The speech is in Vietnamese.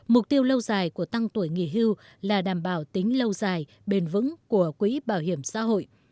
mục tiêu lâu dài của tăng tuổi nghỉ hưu là đảm bảo tính lâu dài bền vững của quỹ bảo hiểm xã hội